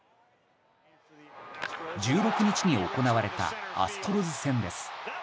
１６日に行われたアストロズ戦です。